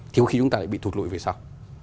thì có khi chúng ta lại bị thụt lụi về sau